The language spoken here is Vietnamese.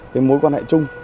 cái mối quan hệ chung